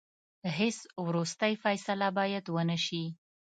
هیڅ وروستۍ فیصله باید ونه سي.